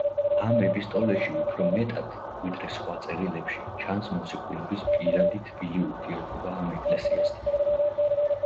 ამ ეპისტოლეში უფრო მეტად, ვიდრე სხვა წერილებში, ჩანს მოციქულების პირადი თბილი ურთიერთობა ამ ეკლესიასთან.